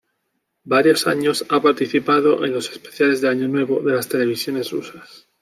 Varios años ha participado en los especiales de año nuevo de las televisiones rusas.